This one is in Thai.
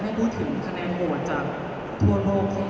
จริงเป็นขวดใจเพื่อนขวดใจแม่นางนามนิตภาพก็เป็นคุณค่ะคุณก่อนหนู